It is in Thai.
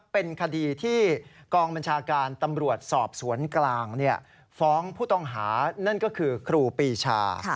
เป็นคดีที่กองบัญชาการตำรวจสอบสวนกลางฟ้องผู้ต้องหานั่นก็คือครูปีชา